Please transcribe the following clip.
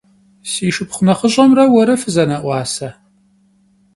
Si şşıpxhu nexhış'emre vuere fızene'uase?